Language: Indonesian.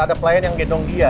ada pelayan yang gendong dia